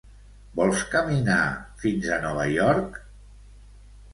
Vols caminar fins a Nova York?